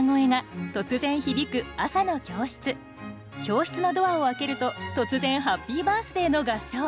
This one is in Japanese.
教室のドアを開けると突然「ハッピーバースデー」の合唱。